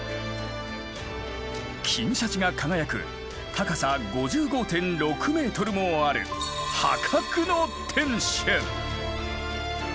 金シャチが輝く高さ５５．６ｍもある破格の天守。